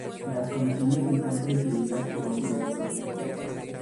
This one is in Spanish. Las Comisiones están presididas por un Director.